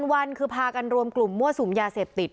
วันคือพากันรวมกลุ่มมั่วสุมยาเสพติด